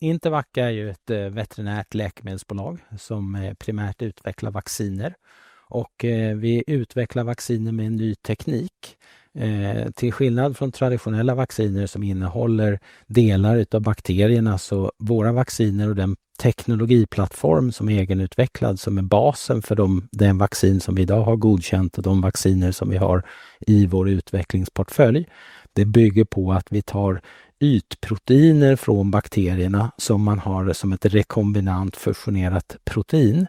Intervacka är ju ett veterinärt läkemedelsbolag som primärt utvecklar vacciner. Vi utvecklar vacciner med en ny teknik. Till skillnad från traditionella vacciner som innehåller delar av bakterierna, så våra vacciner och den teknologiplattform som är egenutvecklad, som är basen för den vaccin som vi idag har godkänt och de vacciner som vi har i vår utvecklingsportfölj, det bygger på att vi tar ytproteiner från bakterierna som man har som ett rekombinant fusionerat protein.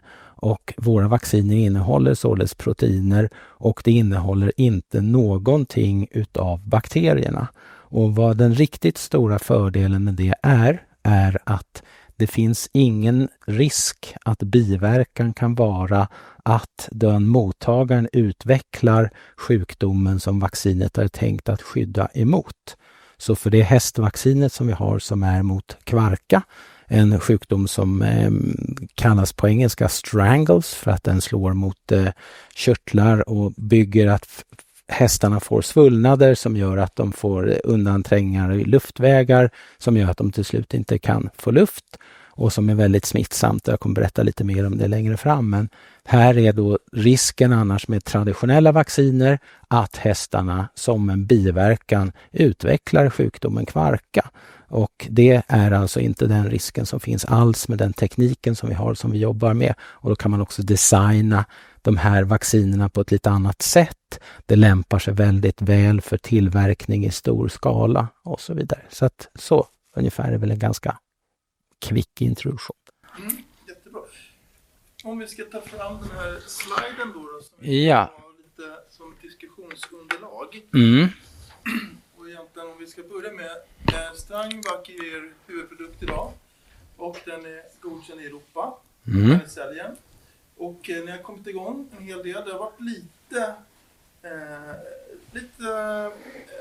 Våra vacciner innehåller således proteiner, och det innehåller inte någonting av bakterierna. Vad den riktigt stora fördelen med det är, är att det finns ingen risk att biverkan kan vara att den mottagaren utvecklar sjukdomen som vaccinet är tänkt att skydda emot. Så för det är hästvaccinet som vi har som är mot kvarka, en sjukdom som kallas på engelska strangles, för att den slår mot körtlar och bygger att hästarna får svullnader som gör att de får undanträngningar i luftvägar som gör att de till slut inte kan få luft och som är väldigt smittsamt. Jag kommer berätta lite mer om det längre fram. Men här är då risken annars med traditionella vacciner att hästarna, som en biverkan, utvecklar sjukdomen kvarka. Det är alltså inte den risken som finns alls med den tekniken som vi har som vi jobbar med. Då kan man också designa de här vaccinerna på ett lite annat sätt. Det lämpar sig väldigt väl för tillverkning i stor skala och så vidare. Så ungefär är väl en ganska kvick introduktion. Jättebra. Om vi ska ta fram den här sliden då som vi har lite som diskussionsunderlag. Egentligen om vi ska börja med, Strangvac är huvudprodukt idag och den är godkänd i Europa. Ni har kommit igång en hel del. Det har varit lite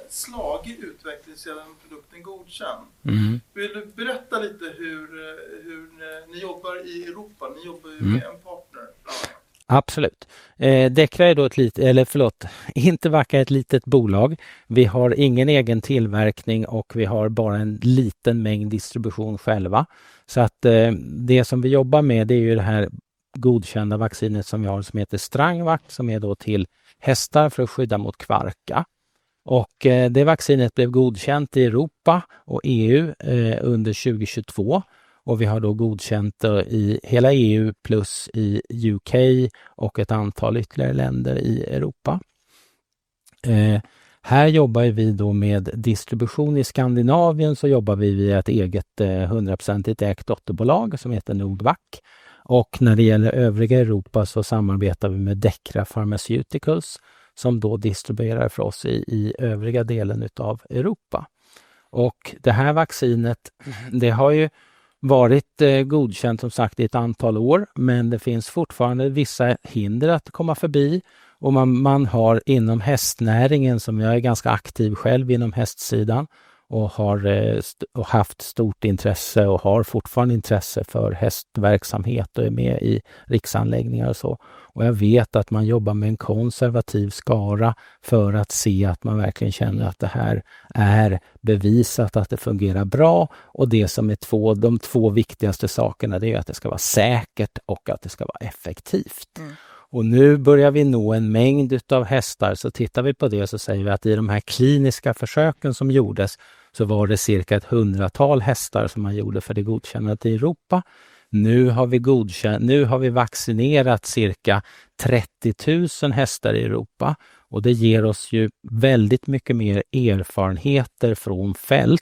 slag i utvecklingen sedan produkten godkändes. Vill du berätta lite hur ni jobbar i Europa? Ni jobbar ju med en partner bland annat. Absolut. Decra är då ett litet, eller förlåt, Intervacka är ett litet bolag. Vi har ingen egen tillverkning och vi har bara en liten mängd distribution själva. Det som vi jobbar med, det är ju det här godkända vaccinet som vi har som heter Strangvac, som är då till hästar för att skydda mot kvarka. Det vaccinet blev godkänt i Europa och EU under 2022. Vi har då godkänt i hela EU plus i UK och ett antal ytterligare länder i Europa. Här jobbar ju vi då med distribution i Skandinavien, så jobbar vi via ett eget hundraprocentigt ägt dotterbolag som heter Nordvac. När det gäller övriga Europa så samarbetar vi med Decra Pharmaceuticals som då distribuerar för oss i övriga delen av Europa. Och det här vaccinet, det har ju varit godkänt som sagt i ett antal år, men det finns fortfarande vissa hinder att komma förbi. Och man har inom hästnäringen, som jag är ganska aktiv själv inom hästsidan och har haft stort intresse och har fortfarande intresse för hästverksamhet och är med i riksanläggningar och så. Och jag vet att man jobbar med en konservativ skara för att se att man verkligen känner att det här är bevisat att det fungerar bra. Och det som är de två viktigaste sakerna, det är ju att det ska vara säkert och att det ska vara effektivt. Och nu börjar vi nå en mängd av hästar, så tittar vi på det så säger vi att i de här kliniska försöken som gjordes så var det cirka ett hundratal hästar som man gjorde för det godkända i Europa. Nu har vi vaccinerat cirka 30 000 hästar i Europa och det ger oss ju väldigt mycket mer erfarenheter från fält.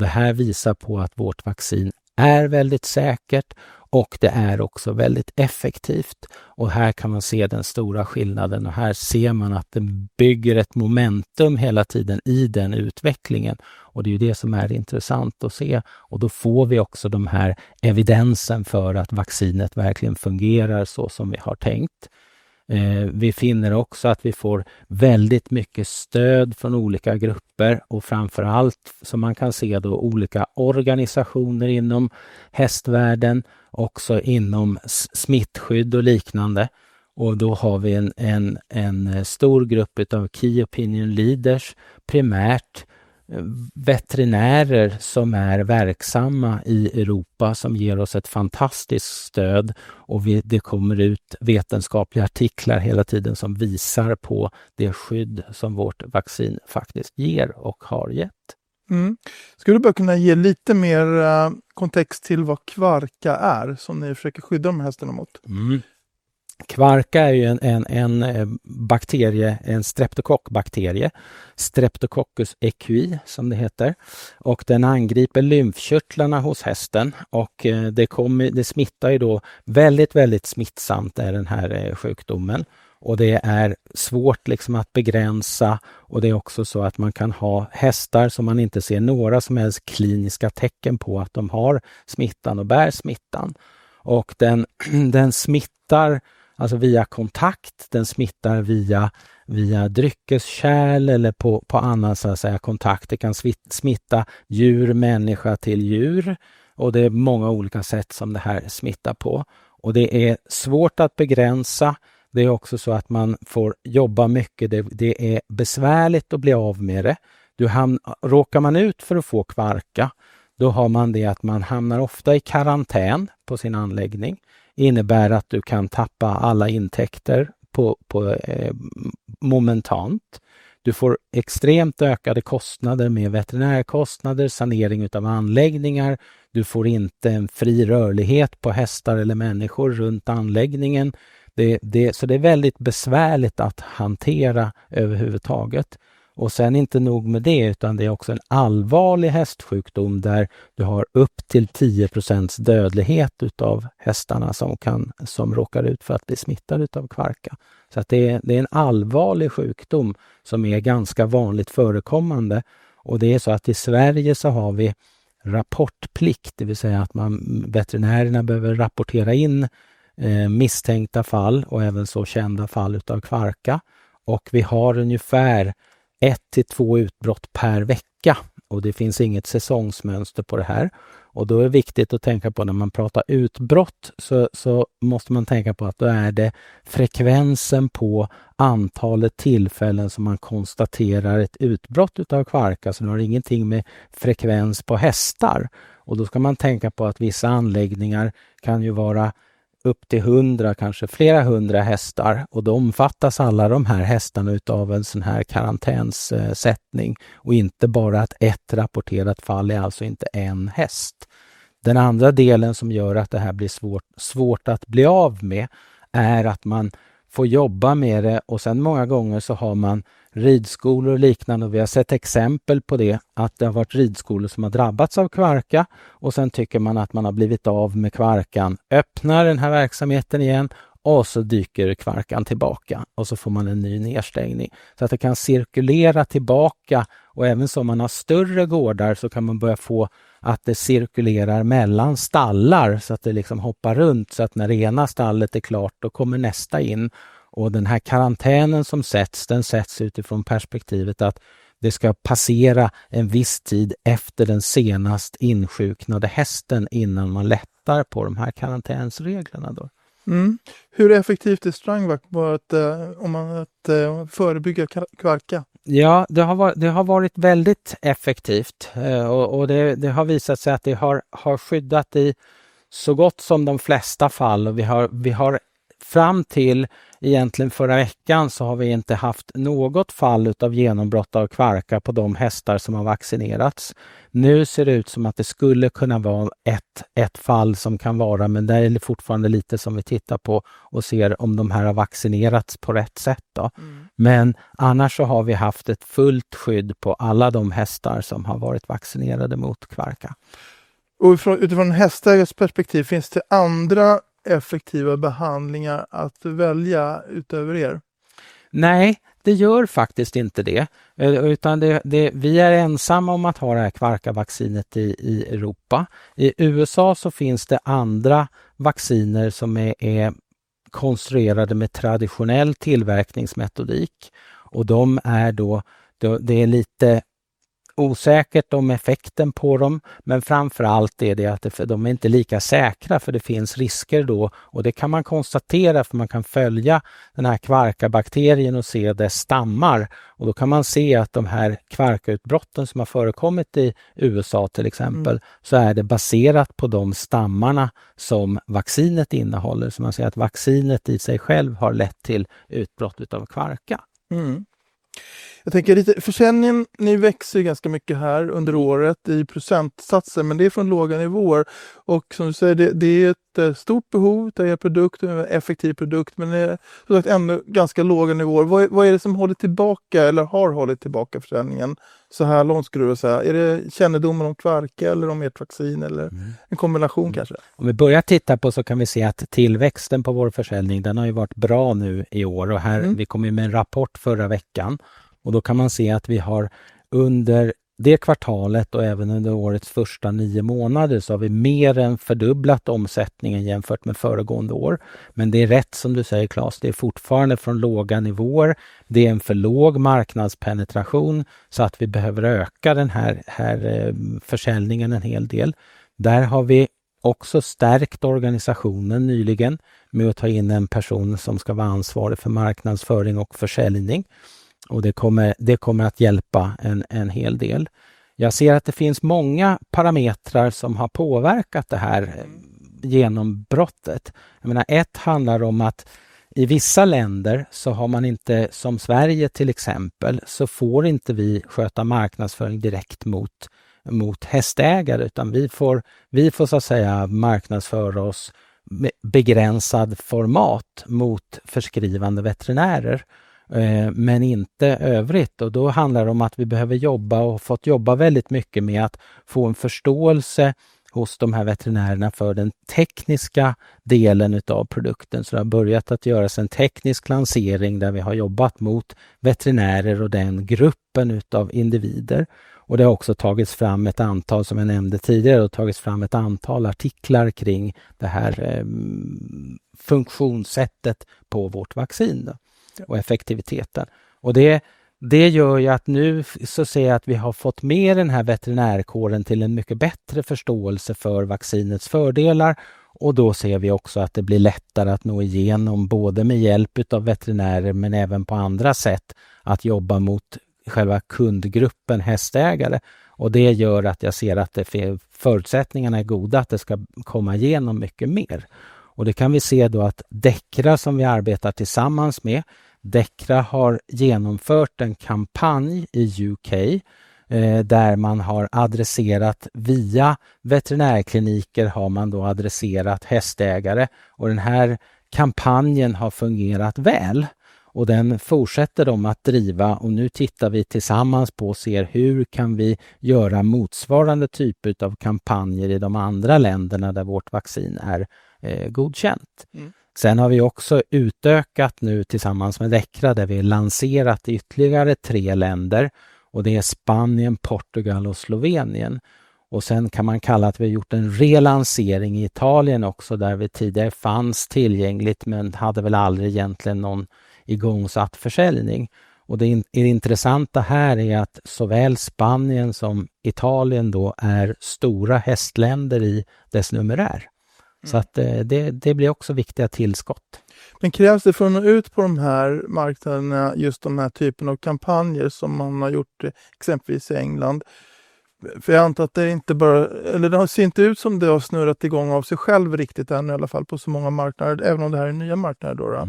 Det här visar på att vårt vaccin är väldigt säkert och det är också väldigt effektivt. Här kan man se den stora skillnaden och här ser man att det bygger ett momentum hela tiden i den utvecklingen. Det är ju det som är intressant att se. Då får vi också de här evidensen för att vaccinet verkligen fungerar så som vi har tänkt. Vi finner också att vi får väldigt mycket stöd från olika grupper och framför allt som man kan se då olika organisationer inom hästvärlden, också inom smittskydd och liknande. Då har vi en stor grupp av key opinion leaders, primärt veterinärer som är verksamma i Europa som ger oss ett fantastiskt stöd. Och det kommer ut vetenskapliga artiklar hela tiden som visar på det skydd som vårt vaccin faktiskt ger och har gett. Skulle du bara kunna ge lite mer kontext till vad kvarka är som ni försöker skydda de här hästarna mot? Kvarka är ju en bakterie, en streptokockbakterie, Streptococcus equi, som det heter. Och den angriper lymfkörtlarna hos hästen och det smittar ju då väldigt, väldigt smittsamt är den här sjukdomen. Och det är svårt att begränsa och det är också så att man kan ha hästar som man inte ser några som helst kliniska tecken på att de har smittan och bär smittan. Och den smittar alltså via kontakt, den smittar via dryckeskärl eller på annat sätt kontakt. Det kan smitta djur, människa till djur. Och det är många olika sätt som det här smittar på. Och det är svårt att begränsa. Det är också så att man får jobba mycket. Det är besvärligt att bli av med det. Råkar man ut för att få kvarka, då har man det att man hamnar ofta i karantän på sin anläggning. Det innebär att du kan tappa alla intäkter momentant. Du får extremt ökade kostnader med veterinärkostnader, sanering av anläggningar. Du får inte en fri rörlighet på hästar eller människor runt anläggningen. Så det är väldigt besvärligt att hantera överhuvudtaget. Och sen inte nog med det, utan det är också en allvarlig hästsjukdom där du har upp till 10% dödlighet av hästarna som råkar ut för att bli smittade av kvarka. Så det är en allvarlig sjukdom som är ganska vanligt förekommande. Och det är så att i Sverige så har vi rapportplikt, det vill säga att veterinärerna behöver rapportera in misstänkta fall och även så kända fall av kvarka. Och vi har ungefär ett till två utbrott per vecka. Och det finns inget säsongsmönster på det här. Och då är det viktigt att tänka på när man pratar utbrott, så måste man tänka på att då är det frekvensen på antalet tillfällen som man konstaterar ett utbrott av kvarka. Det har ingenting med frekvens på hästar. Då ska man tänka på att vissa anläggningar kan ju vara upp till hundra, kanske flera hundra hästar. Då omfattas alla de här hästarna av en sådan här karantänsättning. Inte bara att ett rapporterat fall är alltså inte en häst. Den andra delen som gör att det här blir svårt att bli av med är att man får jobba med det. Sen många gånger så har man ridskolor och liknande. Vi har sett exempel på det, att det har varit ridskolor som har drabbats av kvarka. Och sen tycker man att man har blivit av med kvarkan, öppnar den här verksamheten igen och så dyker kvarkan tillbaka. Och så får man en ny nedstängning. Så att det kan cirkulera tillbaka. Och även så om man har större gårdar så kan man börja få att det cirkulerar mellan stallar. Så att det liksom hoppar runt. Så att när det ena stallet är klart, då kommer nästa in. Och den här karantänen som sätts, den sätts utifrån perspektivet att det ska passera en viss tid efter den senast insjuknade hästen innan man lättar på de här karantänsreglerna då. Hur effektivt har Strangvac varit om man förebygger kvarka? Ja, det har varit väldigt effektivt. Det har visat sig att det har skyddat i så gott som de flesta fall. Vi har fram till egentligen förra veckan så har vi inte haft något fall av genombrott av kvarka på de hästar som har vaccinerats. Nu ser det ut som att det skulle kunna vara ett fall som kan vara. Men där är det fortfarande lite som vi tittar på och ser om de här har vaccinerats på rätt sätt. Men annars så har vi haft ett fullt skydd på alla de hästar som har varit vaccinerade mot kvarka. Utifrån hästägarens perspektiv, finns det andra effektiva behandlingar att välja utöver Nej, det gör faktiskt inte det. Utan vi är ensamma om att ha det här kikhostevaccinet i Europa. I USA så finns det andra vacciner som är konstruerade med traditionell tillverkningsmetodik. Och de är då, det är lite osäkert om effekten på dem. Men framför allt är det att de är inte lika säkra, för det finns risker då. Och det kan man konstatera för man kan följa den här kikhostebakterien och se att det stammar. Och då kan man se att de här kikhoste-utbrotten som har förekommit i USA till exempel, så är det baserat på de stammarna som vaccinet innehåller. Så man ser att vaccinet i sig själv har lett till utbrott av kikhosta. Jag tänker lite, försäljningen växer ju ganska mycket här under året i procentsatser, men det är från låga nivåer. Och som du säger, det är ett stort behov av produkt, en effektiv produkt, men det är som sagt ännu ganska låga nivåer. Vad är det som håller tillbaka eller har hållit tillbaka försäljningen så här långt skulle du säga? Är det kännedomen om kvarka eller om ert vaccin eller en kombination kanske? Om vi börjar titta på så kan vi se att tillväxten på vår försäljning, den har ju varit bra nu i år. Här kom vi ju med en rapport förra veckan. Då kan man se att vi har under det kvartalet och även under årets första nio månader så har vi mer än fördubblat omsättningen jämfört med föregående år. Men det är rätt som du säger, Claes. Det är fortfarande från låga nivåer. Det är en för låg marknadspenetration så att vi behöver öka den här försäljningen en hel del. Där har vi också stärkt organisationen nyligen med att ta in en person som ska vara ansvarig för marknadsföring och försäljning. Det kommer att hjälpa en hel del. Jag ser att det finns många parametrar som har påverkat det här genombrottet. Jag menar, det handlar om att i vissa länder så har man inte, som Sverige till exempel, så får inte vi sköta marknadsföring direkt mot hästägare. Utan vi får, vi får så att säga marknadsföra oss med begränsat format mot förskrivande veterinärer, men inte övrigt. Och då handlar det om att vi behöver jobba och har fått jobba väldigt mycket med att få en förståelse hos de här veterinärerna för den tekniska delen av produkten. Så det har börjat att göras en teknisk lansering där vi har jobbat mot veterinärer och den gruppen av individer. Och det har också tagits fram ett antal, som jag nämnde tidigare, och tagits fram ett antal artiklar kring det här funktionssättet på vårt vaccin och effektiviteten. Och det gör ju att nu så ser jag att vi har fått med den här veterinärkåren till en mycket bättre förståelse för vaccinets fördelar. Och då ser vi också att det blir lättare att nå igenom både med hjälp av veterinärer, men även på andra sätt att jobba mot själva kundgruppen hästägare. Det gör att jag ser att förutsättningarna är goda, att det ska komma igenom mycket mer. Det kan vi se då att Decra, som vi arbetar tillsammans med, Decra har genomfört en kampanj i UK, där man har adresserat via veterinärkliniker, har man då adresserat hästägare. Den här kampanjen har fungerat väl. Den fortsätter de att driva. Nu tittar vi tillsammans på och ser hur kan vi göra motsvarande typ av kampanjer i de andra länderna där vårt vaccin är godkänt. Sen har vi också utökat nu tillsammans med Decra, där vi har lanserat i ytterligare tre länder. Det är Spanien, Portugal och Slovenien. Och sen kan man säga att vi har gjort en relansering i Italien också, där vi tidigare fanns tillgängligt, men hade väl aldrig egentligen någon igångsatt försäljning. Och det intressanta här är att såväl Spanien som Italien då är stora hästländer i dess numerär. Så att det blir också viktiga tillskott. Men krävs det för att nå ut på de här marknaderna, just de här typen av kampanjer som man har gjort exempelvis i England? För jag antar att det inte bara, eller det ser inte ut som det har snurrat igång av sig själv riktigt än i alla fall på så många marknader, även om det här är nya marknader då.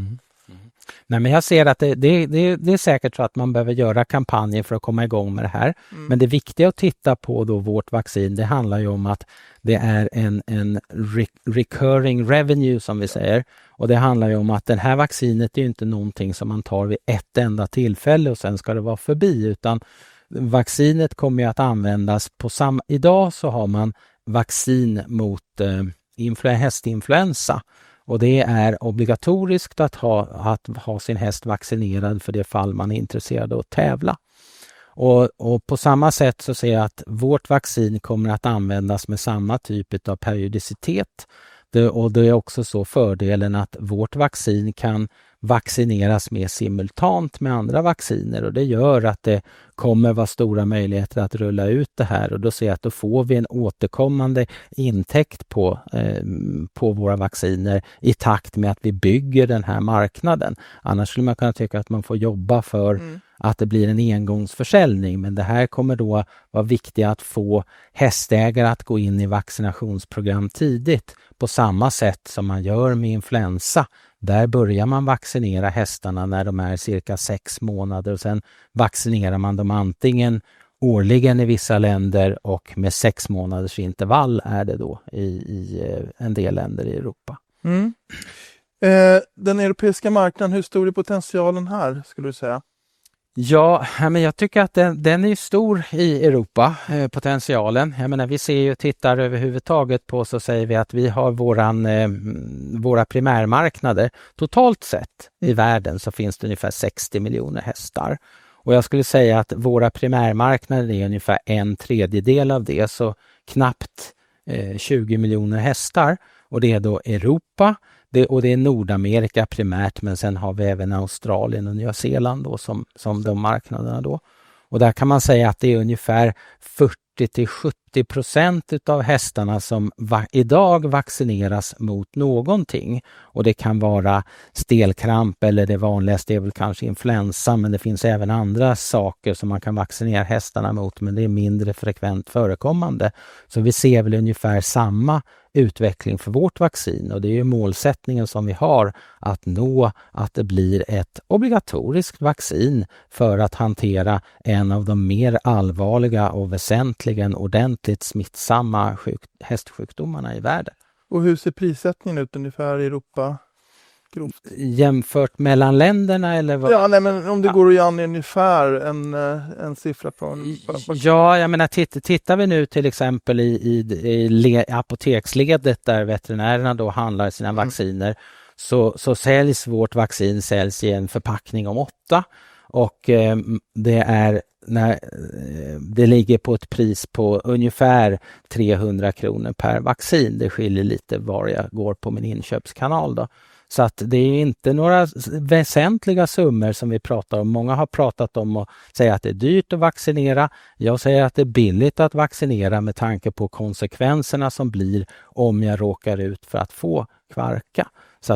Nej, men jag ser att det är säkert så att man behöver göra kampanjer för att komma igång med det här. Men det viktiga att titta på då, vårt vaccin, det handlar ju om att det är en recurring revenue som vi säger. Det handlar ju om att det här vaccinet är ju inte någonting som man tar vid ett enda tillfälle och sen ska det vara förbi. Utan vaccinet kommer ju att användas på samma sätt. Idag så har man vaccin mot hästinfluensa. Det är obligatoriskt att ha sin häst vaccinerad för det fall man är intresserad av att tävla. På samma sätt så ser jag att vårt vaccin kommer att användas med samma typ av periodicitet. Då är också så fördelen att vårt vaccin kan vaccineras mer simultant med andra vacciner. Det gör att det kommer vara stora möjligheter att rulla ut det här. Och då ser jag att då får vi en återkommande intäkt på våra vacciner i takt med att vi bygger den här marknaden. Annars skulle man kunna tycka att man får jobba för att det blir en engångsförsäljning. Men det här kommer då vara viktigt att få hästägare att gå in i vaccinationsprogram tidigt. På samma sätt som man gör med influensa. Där börjar man vaccinera hästarna när de är cirka sex månader. Och sen vaccinerar man dem antingen årligen i vissa länder och med sex månaders intervall är det då i en del länder i Europa. Den europeiska marknaden, hur stor är potentialen här skulle du säga? Ja, men jag tycker att den är ju stor i Europa, potentialen. Jag menar, vi ser ju tittar överhuvudtaget på så säger vi att vi har våra primärmarknader. Totalt sett i världen så finns det ungefär 60 miljoner hästar. Jag skulle säga att våra primärmarknader är ungefär en tredjedel av det, så knappt 20 miljoner hästar. Det är då Europa. Det är Nordamerika primärt, men sen har vi även Australien och Nya Zeeland då som de marknaderna då. Där kan man säga att det är ungefär 40-70% av hästarna som idag vaccineras mot någonting. Det kan vara stelkramp eller det vanligaste är väl kanske influensa, men det finns även andra saker som man kan vaccinera hästarna mot, men det är mindre frekvent förekommande. Vi ser väl ungefär samma utveckling för vårt vaccin. Och det är ju målsättningen som vi har att nå att det blir ett obligatoriskt vaccin för att hantera en av de mer allvarliga och väsentligen ordentligt smittsamma hästsjukdomarna i världen. Och hur ser prissättningen ut ungefär i Europa? Jämfört mellan länderna eller vad? Ja, nej men om det går att ge en ungefär siffra på ungefär. Ja, jag menar tittar vi nu till exempel i apoteksledet där veterinärerna då handlar sina vacciner, så säljs vårt vaccin i en förpackning om åtta. Det är när det ligger på ett pris på ungefär 300 kronor per vaccin. Det skiljer lite var jag går på min inköpskanal då. Det är ju inte några väsentliga summor som vi pratar om. Många har pratat om och säger att det är dyrt att vaccinera. Jag säger att det är billigt att vaccinera med tanke på konsekvenserna som blir om jag råkar ut för att få kvarka.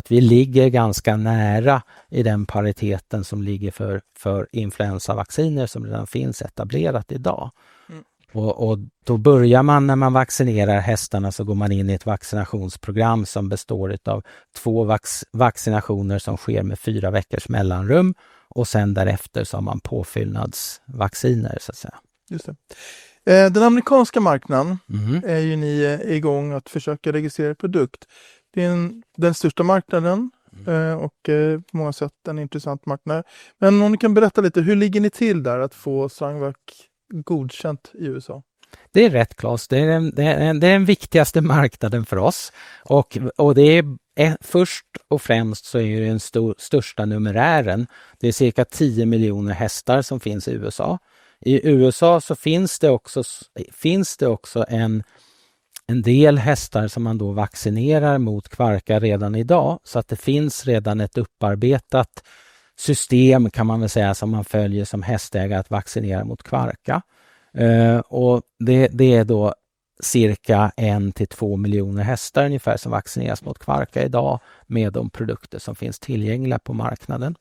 Vi ligger ganska nära i den pariteten som ligger för influensavacciner som redan finns etablerat idag. Då börjar man när man vaccinerar hästarna går man in i ett vaccinationsprogram som består av två vaccinationer som sker med fyra veckors mellanrum. Och sen därefter så har man påfyllnadsvacciner så att säga. Just det. Den amerikanska marknaden är ju ni igång att försöka registrera produkt. Det är den största marknaden och på många sätt en intressant marknad. Men om ni kan berätta lite, hur ligger ni till där att få Strangvac godkänt i USA? Det är rätt, Claes. Det är den viktigaste marknaden för oss. Det är först och främst så är det den största numerären. Det är cirka 10 miljoner hästar som finns i USA. I USA så finns det också en del hästar som man då vaccinerar mot kvarka redan idag. Så att det finns redan ett upparbetat system kan man väl säga som man följer som hästägare att vaccinera mot kvarka. Det är då cirka 1 till 2 miljoner hästar ungefär som vaccineras mot kvarka idag med de produkter som finns tillgängliga på marknaden.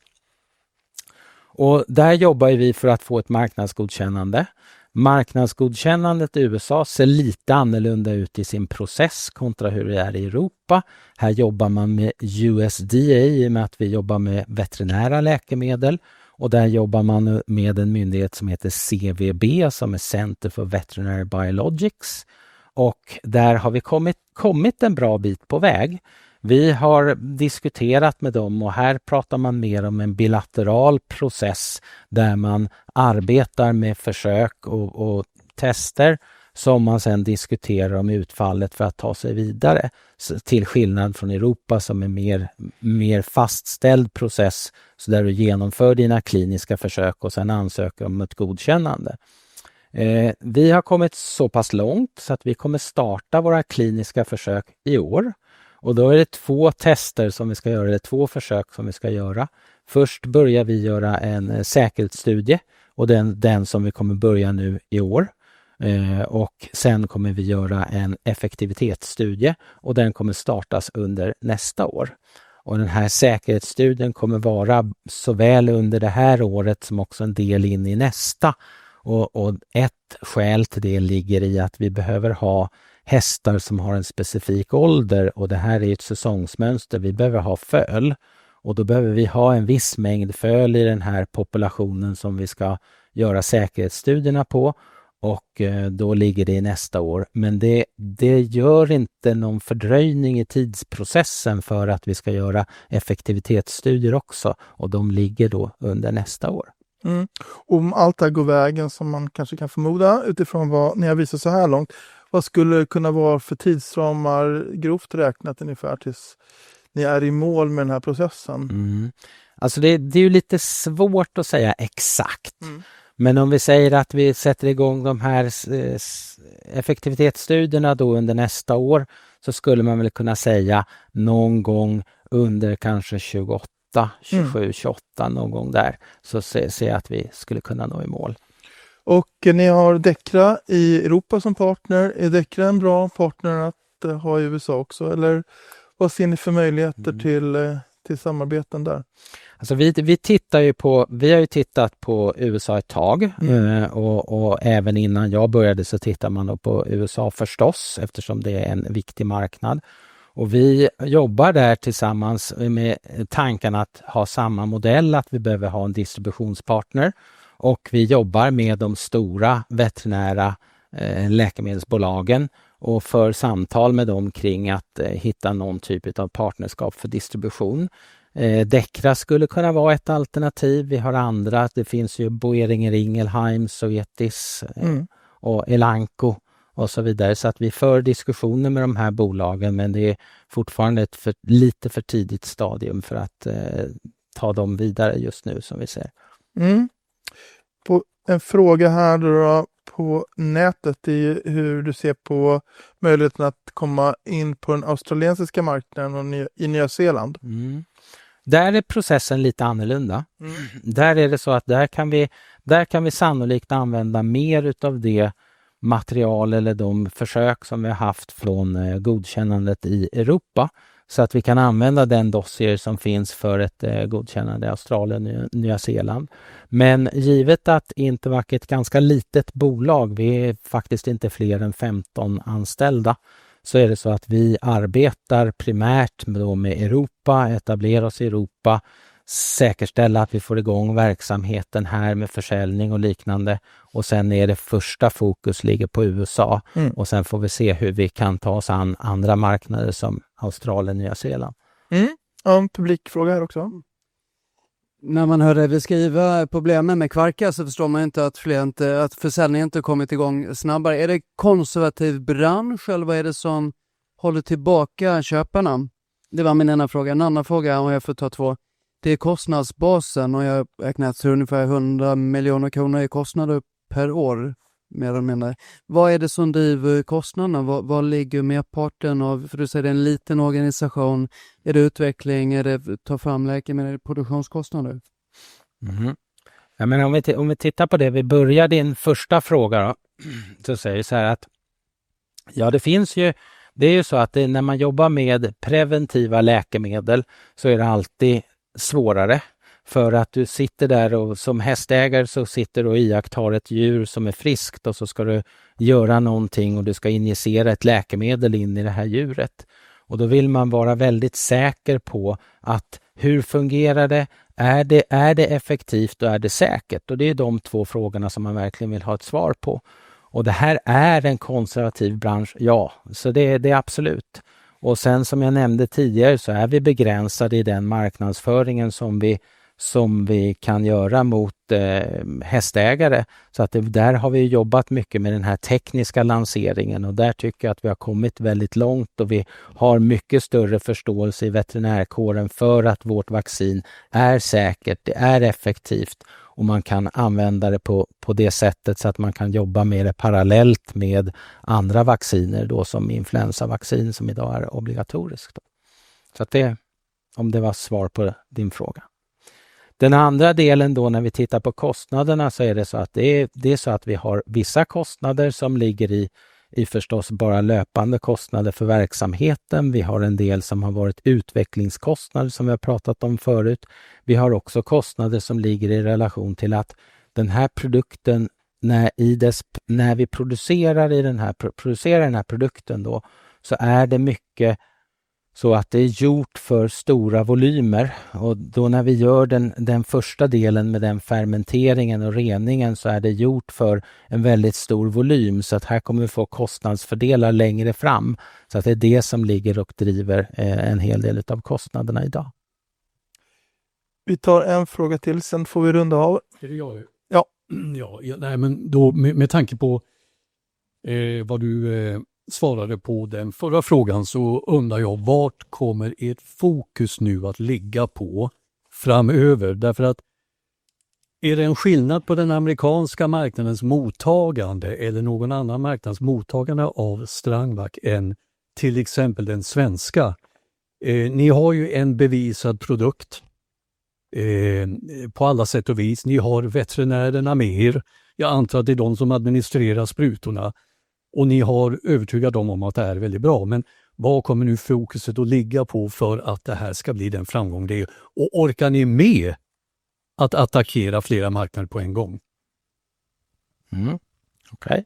Där jobbar ju vi för att få ett marknadsgodkännande. Marknadsgodkännandet i USA ser lite annorlunda ut i sin process kontra hur det är i Europa. Här jobbar man med USDA i och med att vi jobbar med veterinära läkemedel. Och där jobbar man med en myndighet som heter CVB som är Center for Veterinary Biologics. Och där har vi kommit en bra bit på väg. Vi har diskuterat med dem och här pratar man mer om en bilateral process där man arbetar med försök och tester som man sen diskuterar om utfallet för att ta sig vidare. Till skillnad från Europa som är en mer fastställd process så där du genomför dina kliniska försök och sen ansöker om ett godkännande. Vi har kommit så pass långt så att vi kommer starta våra kliniska försök i år. Och då är det två tester som vi ska göra, eller två försök som vi ska göra. Först börjar vi göra en säkerhetsstudie och det är den som vi kommer börja nu i år, och sen kommer vi göra en effektivitetsstudie och den kommer startas under nästa år. Och den här säkerhetsstudien kommer vara såväl under det här året som också en del in i nästa. Ett skäl till det ligger i att vi behöver ha hästar som har en specifik ålder och det här är ju ett säsongsmönster. Vi behöver ha föl. Då behöver vi ha en viss mängd föl i den här populationen som vi ska göra säkerhetsstudierna på. Då ligger det i nästa år. Men det gör inte någon fördröjning i tidsprocessen för att vi ska göra effektivitetsstudier också. De ligger då under nästa år. Om allt det här går vägen som man kanske kan förmoda utifrån vad ni har visat så här långt, vad skulle det kunna vara för tidsramar, grovt räknat, ungefär tills ni är i mål med den här processen? Alltså, det är ju lite svårt att säga exakt. Men om vi säger att vi sätter igång de här effektivitetsstudierna under nästa år, så skulle man väl kunna säga någon gång under kanske 2027, 2028, någon gång där. Så ser jag att vi skulle kunna nå i mål. Och ni har Decra i Europa som partner. Är Decra en bra partner att ha i USA också? Eller vad ser ni för möjligheter till samarbeten där? Alltså, vi tittar ju på, vi har ju tittat på USA ett tag och även innan jag började så tittade man då på USA förstås, eftersom det är en viktig marknad. Vi jobbar där tillsammans med tanken att ha samma modell, att vi behöver ha en distributionspartner. Vi jobbar med de stora veterinära läkemedelsbolagen och för samtal med dem kring att hitta någon typ av partnerskap för distribution. Decra skulle kunna vara ett alternativ. Vi har andra, det finns ju Boehringer Ingelheim, Zoetis, Elanco och så vidare. Vi för diskussioner med de här bolagen, men det är fortfarande ett lite för tidigt stadium för att ta dem vidare just nu som vi ser. På en fråga här då på nätet, det är ju hur du ser på möjligheten att komma in på den australiensiska marknaden och i Nya Zeeland. Där är processen lite annorlunda. Där är det så att där kan vi, där kan vi sannolikt använda mer av det material eller de försök som vi har haft från godkännandet i Europa. Så att vi kan använda den dossier som finns för ett godkännande i Australien och Nya Zeeland. Men givet att Intervac är ett ganska litet bolag, vi är faktiskt inte fler än 15 anställda, så är det så att vi arbetar primärt med Europa, etablera oss i Europa, säkerställa att vi får igång verksamheten här med försäljning och liknande. Och sen är det första fokus ligger på USA. Och sen får vi se hur vi kan ta oss an andra marknader som Australien och Nya Zeeland. Ja, en publikfråga här också. När man hör dig beskriva problemen med kvarka så förstår man ju inte att försäljningen inte har kommit igång snabbare. Är det konservativ bransch eller vad är det som håller tillbaka köparna? Det var min ena fråga. En annan fråga, om jag får ta två. Det är kostnadsbasen och jag räknar att det är ungefär 100 miljoner kronor i kostnader per år, mer eller mindre. Vad är det som driver kostnaderna? Vad ligger merparten av, för du säger det är en liten organisation, är det utveckling, är det att ta fram läkemedel, produktionskostnader? Jag menar, om vi tittar på det, vi börjar din första fråga då, så säger vi så här att ja, det finns ju, det är ju så att när man jobbar med preventiva läkemedel så är det alltid svårare. För att du sitter där och som hästägare så sitter du och iaktar ett djur som är friskt och så ska du göra någonting och du ska injicera ett läkemedel in i det här djuret. Och då vill man vara väldigt säker på att hur fungerar det, är det effektivt och är det säkert? Och det är ju de två frågorna som man verkligen vill ha ett svar på. Och det här är en konservativ bransch, ja, så det är absolut. Och sen som jag nämnde tidigare så är vi begränsade i den marknadsföringen som vi kan göra mot hästägare. Så att där har vi ju jobbat mycket med den här tekniska lanseringen och där tycker jag att vi har kommit väldigt långt och vi har mycket större förståelse i veterinärkåren för att vårt vaccin är säkert, det är effektivt och man kan använda det på det sättet så att man kan jobba med det parallellt med andra vacciner då som influensavaccin som idag är obligatoriskt. Det är om det var svar på din fråga. Den andra delen då när vi tittar på kostnaderna så är det så att vi har vissa kostnader som ligger i förstås bara löpande kostnader för verksamheten. Vi har en del som har varit utvecklingskostnader som vi har pratat om förut. Vi har också kostnader som ligger i relation till att den här produkten, när vi producerar den här produkten då, så är det mycket så att det är gjort för stora volymer. Och då när vi gör den första delen med fermenteringen och reningen så är det gjort för en väldigt stor volym. Så att här kommer vi få kostnadsfördelar längre fram. Det är det som ligger och driver en hel del av kostnaderna idag. Vi tar en fråga till, sen får vi runda av. Är det jag? Ja. Ja, nej men då med tanke på vad du svarade på den förra frågan så undrar jag, vart kommer ert fokus nu att ligga på framöver? Därför att är det en skillnad på den amerikanska marknadens mottagande eller någon annan marknads mottagande av Strangvac än till exempel den svenska? Ni har ju en bevisad produkt på alla sätt och vis. Ni har veterinärerna med er. Jag antar att det är de som administrerar sprutorna. Och ni har övertygat dem om att det är väldigt bra. Men vad kommer nu fokuset att ligga på för att det här ska bli den framgång det är? Och orkar ni med att attackera flera marknader på en gång? Okej.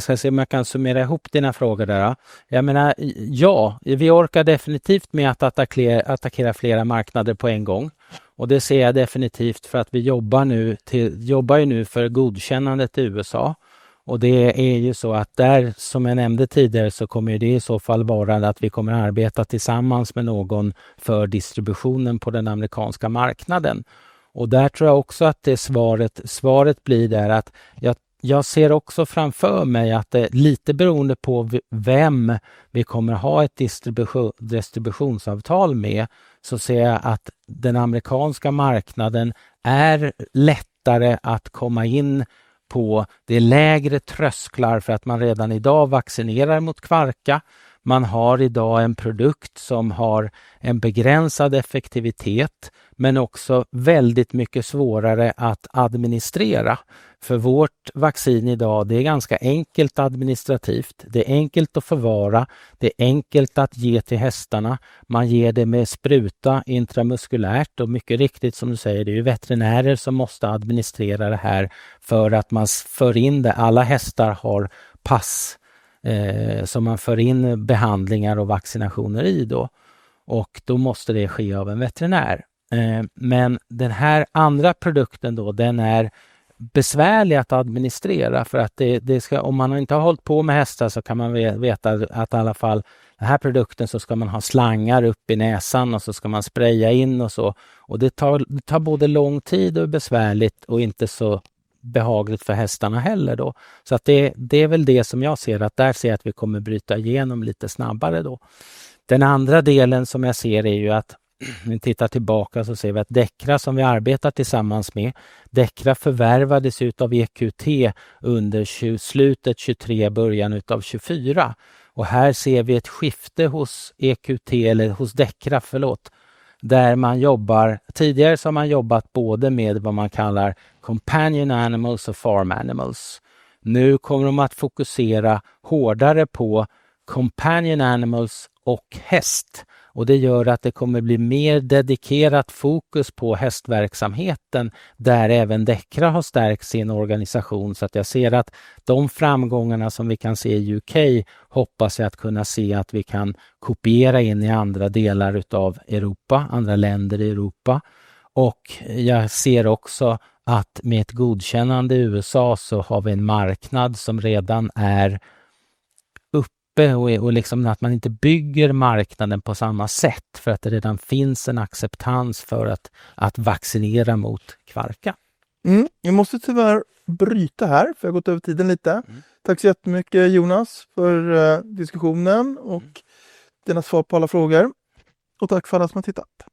Ska jag se om jag kan summera ihop dina frågor där då? Jag menar, ja, vi orkar definitivt med att attackera flera marknader på en gång. Det ser jag definitivt för att vi jobbar nu för godkännandet i USA. Det är ju så att där, som jag nämnde tidigare, så kommer det i så fall vara att vi kommer att arbeta tillsammans med någon för distributionen på den amerikanska marknaden. Där tror jag också att svaret blir att jag ser också framför mig att det är lite beroende på vem vi kommer att ha ett distributionsavtal med, så ser jag att den amerikanska marknaden är lättare att komma in på. Det är lägre trösklar för att man redan idag vaccinerar mot kvarka. Man har idag en produkt som har en begränsad effektivitet, men också väldigt mycket svårare att administrera. För vårt vaccin idag, det är ganska enkelt administrativt. Det är enkelt att förvara. Det är enkelt att ge till hästarna. Man ger det med spruta intramuskulärt och mycket riktigt som du säger, det är ju veterinärer som måste administrera det här för att man för in det. Alla hästar har pass som man för in behandlingar och vaccinationer i då. Och då måste det ske av en veterinär. Men den här andra produkten då, den är besvärlig att administrera för att det ska, om man inte har hållit på med hästar så kan man veta att i alla fall, den här produkten så ska man ha slangar upp i näsan och så ska man spraya in och så. Och det tar både lång tid och är besvärligt och inte så behagligt för hästarna heller då. Det är väl det som jag ser att där ser jag att vi kommer bryta igenom lite snabbare då. Den andra delen som jag ser är ju att vi tittar tillbaka så ser vi att Decra som vi arbetar tillsammans med, Decra förvärvades ju av EQT under slutet 2023, början av 2024. Här ser vi ett skifte hos EQT eller hos Decra, förlåt, där man jobbar, tidigare har man jobbat både med vad man kallar companion animals och farm animals. Nu kommer de att fokusera hårdare på companion animals och häst. Det gör att det kommer bli mer dedikerat fokus på hästverksamheten där även Decra har stärkt sin organisation. Jag ser att de framgångarna som vi kan se i UK hoppas jag att kunna se att vi kan kopiera in i andra delar av Europa, andra länder i Europa. Och jag ser också att med ett godkännande i USA så har vi en marknad som redan är uppe och att man inte bygger marknaden på samma sätt för att det redan finns en acceptans för att vaccinera mot kvarka. Jag måste tyvärr bryta här för jag har gått över tiden lite. Tack så jättemycket Jonas för diskussionen och dina svar på alla frågor. Och tack för alla som har tittat.